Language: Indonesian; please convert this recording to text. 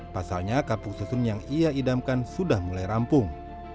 pasalnya kapuk susun yang ia idamkan sudah mulai rampung